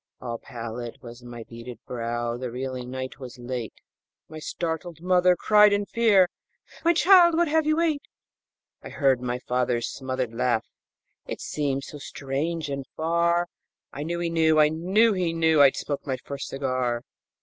All pallid was my beaded brow, The reeling night was late, My startled mother cried in fear, "My child, what have you ate?" I heard my father's smothered laugh, It seemed so strange and far, I knew he knew I knew he knew I'd smoked my first cigar!